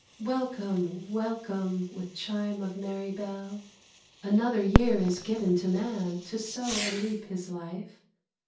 Welcome, welcome, with chime of merry bell! Another year is given to man to sow and reap his life.